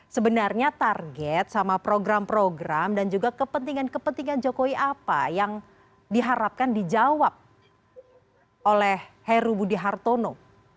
sebenarnya target sama program program dan juga kepentingan kepentingan jokowi apa yang diharapkan dijawab oleh heru budi hartono